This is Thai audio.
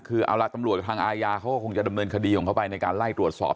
คือเอาล่ะตำรวจกับทางอาญาเขาก็คงจะดำเนินคดีของเขาไปในการไล่ตรวจสอบ